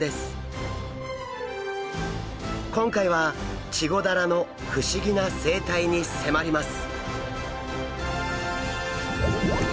今回はチゴダラの不思議な生態に迫ります！